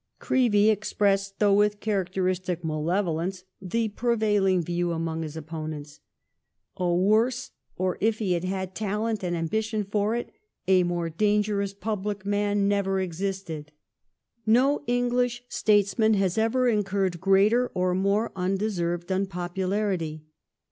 Ci'eevey expressed, though with characteristic malevolence, the prevailing view among his opponents :*' a worse, or if he had had talent and ambition for it, a more dangerous public man never existed ".^ No English statesman ever incuiTed gi eater, or more undeserved unpopularity.